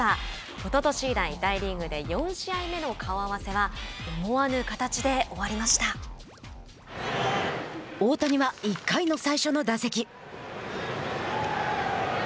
おととし以来大リーグで４試合目の顔合わせは大谷は１回の最初の打席。